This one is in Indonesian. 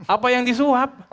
apa yang disuap